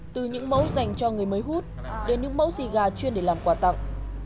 từ những mẫu dành cho người mới hút đến những mẫu xì gà chuyên để làm quà tặng